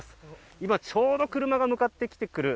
今、ちょうど車が向かってきてくる